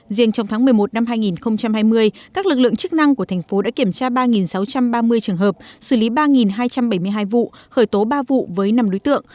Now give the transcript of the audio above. riêng trong tháng một mươi một năm hai nghìn hai mươi các lực lượng chức năng của thành phố đã kiểm tra ba sáu trăm ba mươi trường hợp xử lý ba hai trăm bảy mươi hai vụ khởi tố ba vụ với năm đối tượng